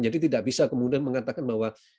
jadi tidak bisa kemudian mengatakan bahwa